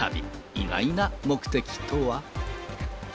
意外な目的とは。